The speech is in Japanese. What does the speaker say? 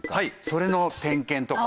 それの点検とか。